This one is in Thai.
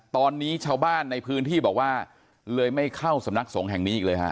ตอนนี้ชาวบ้านในพื้นที่บอกว่าเลยไม่เข้าสำนักสงฆ์แห่งนี้อีกเลยฮะ